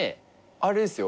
あれですよ